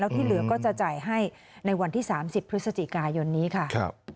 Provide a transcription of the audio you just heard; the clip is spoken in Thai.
ที่เหลือก็จะจ่ายให้ในวันที่๓๐พฤศจิกายนนี้ค่ะ